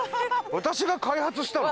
「私」が開発したの？